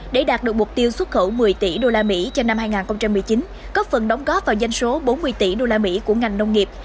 để đạt được mục tiêu xuất khẩu một mươi tỷ usd cho năm hai nghìn một mươi chín góp phần đóng góp vào danh số bốn mươi tỷ usd của ngành nông nghiệp